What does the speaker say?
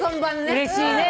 うれしいね。